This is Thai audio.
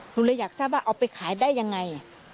หนูเลยอยากทราบว่าเอาไปขายได้ยังไง